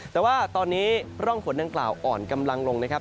แต่ว่าตอนนี้ร่องฝนดังกล่าวอ่อนกำลังลงนะครับ